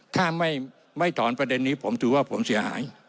ถ้าไม่ถอนประเด็นนี้ผมถือว่าผมเสียหาย